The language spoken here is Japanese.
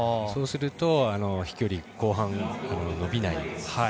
そうすると飛距離、後半伸びない。